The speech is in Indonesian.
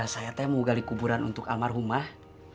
saya temu gali kuburan untuk almarhumah